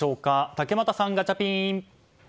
竹俣さん、ガチャピン！